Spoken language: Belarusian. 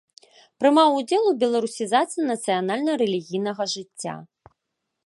Прымаў удзел у беларусізацыі нацыянальна-рэлігійнага жыцця.